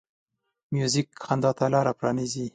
موزیک خندا ته لاره پرانیزي.